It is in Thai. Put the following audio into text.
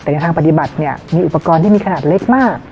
ในทางปฏิบัติมีอุปกรณ์ที่มีขนาดเล็กมาก